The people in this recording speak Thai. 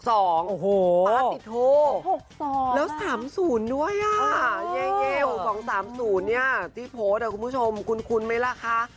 โอ้โหแล้ว๓๐ด้วยอ่ะโอ้โห๖๒๓๐ที่โพสต์คุณผู้ชมคุ้นไหมล่ะคะ